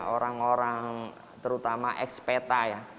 orang orang terutama eks peta ya